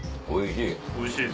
おいしい。